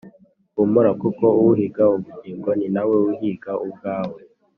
humura kuko uhiga ubugingo ninawe uhiga ubwawe